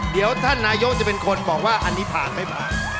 เดี๋ยวท่านนายกจะเป็นคนบอกว่าอันนี้ผ่านไม่ผ่าน